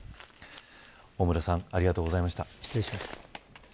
大村さんありがとうございました。